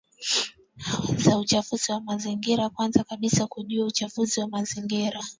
za uchafuzi wa mazingiraKwanza kabisa ni kujua uchafuzi wa mazingira